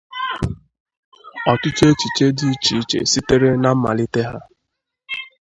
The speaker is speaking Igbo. Ọtụtụ echiche dị iche iche sitere na mmalite ha.